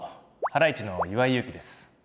ハライチの岩井勇気です。